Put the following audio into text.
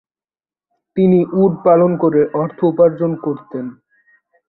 তিনি উট পালন করে অর্থ উপার্জন করতেন।